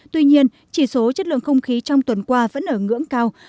tuy nhiên chỉ số chất lượng không khí trong tuần qua vẫn ở ngưỡng cao